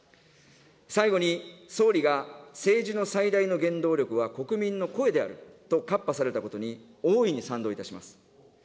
最後に、総理が政治の最大の原動力は国民の声であると喝破されたことに、大いに賛同いたします。